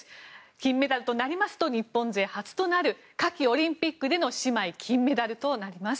金メダルとなりますと日本勢初となる夏季オリンピックでの姉妹金メダルとなります。